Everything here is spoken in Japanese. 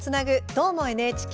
「どーも、ＮＨＫ」